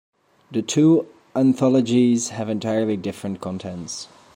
The two anthologies have entirely different contents.